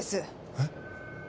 えっ？